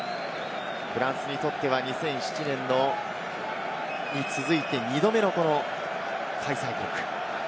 フランスにとっては２００７年に続いて２度目の開催国。